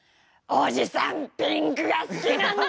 おじさんピンクが好きなんだ。